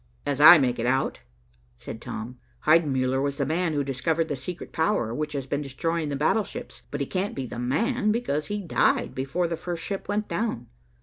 "As I make it out," said Tom, "Heidenmuller was the man who discovered the secret power which has been destroying the battleships, but he can't be 'the man,' because he died before the first ship went down.